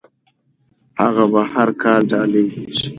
هغه به هر کال ډالۍ لیږي.